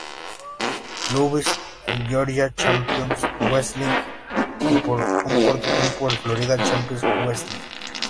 Louis, el Georgia Championship Wrestling y por un corto tiempo, el Florida Championship Wrestling.